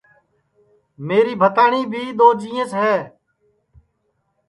میری بھتاٹؔی بھی دؔو جینٚیس ہے